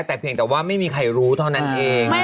แต่เพียงแต่ว่าไม่มีใครรู้เท่านั้นเอง